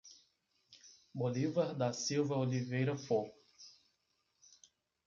Bolivar da Silva Oliveira Fo